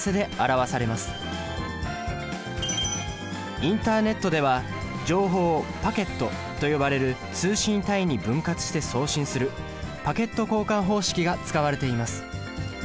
インターネットでは情報をパケットと呼ばれる通信単位に分割して送信するパケット交換方式が使われています。